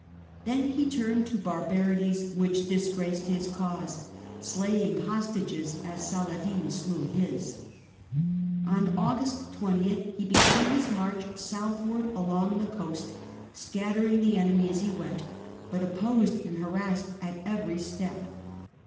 Then he turned to barbarities which disgraced his cause, slaying hostages as Richard in Saladin slcw his. On August 20 he began Palestine. jjjg march southward along the coast, scatter ing the enemy as he went, but opposed and harassed at every step.